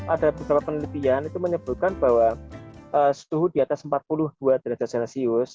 ada beberapa penelitian itu menyebutkan bahwa suhu di atas empat puluh dua derajat celcius